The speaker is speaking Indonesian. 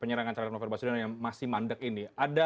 penyerangan calon operasi yang masih mandek ini